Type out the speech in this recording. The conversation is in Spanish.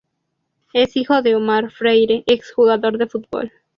Es hijo de Omar Freire, ex jugador de fútbol.